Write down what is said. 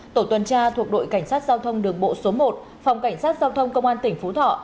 tổ tuần tra thuộc đội cảnh sát giao thông đường bộ số một phòng cảnh sát giao thông công an tỉnh phú thọ